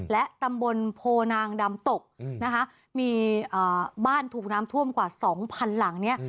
และตำบลโพนางดำตกนะคะมีบ้านถูกน้ำท่วมกว่าสองพันหลังเนี่ย